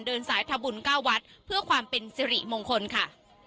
เดินสายทำบุญ๙วัดเพื่อความเป็นสิริมงคลค่ะ